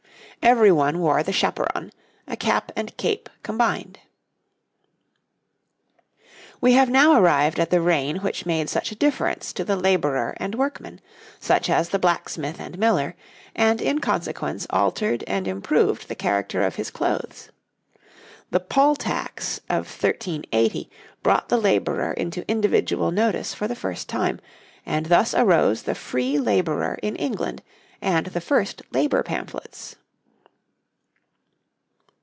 Everyone wore the chaperon a cap and cape combined. We have now arrived at the reign which made such a difference to the labourer and workman such as the blacksmith and miller and in consequence altered and improved the character of his clothes. The poll tax of 1380 brought the labourer into individual notice for the first time, and thus arose the free labourer in England and the first labour pamphlets.